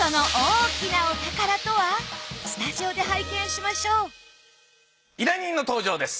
スタジオで拝見しましょう依頼人の登場です。